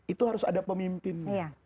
itu harus ada pemimpin